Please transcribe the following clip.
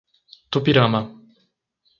Tupirama